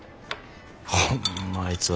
ホンマあいつは。